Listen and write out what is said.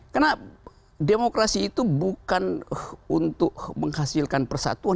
karena demokrasi itu bukan untuk menghasilkan persatuan